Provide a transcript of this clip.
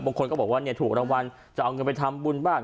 บางคนก็บอกว่าเนี่ยถูกรางวัลจะเอาเงินไปทำบุญบ้าง